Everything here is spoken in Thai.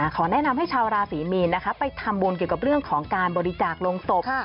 ขอแนะนำให้ชาวราศรีมีนนะคะไปทำบุญเกี่ยวกับเรื่องของการบริจาคลงศพ